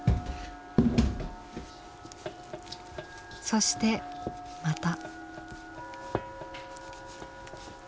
そしてまた。